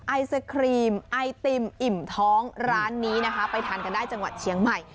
ไอศครีมไอติมอิ่มท้องร้านนี้นะคะไปทานกันได้จังหวัดเชียงใหม่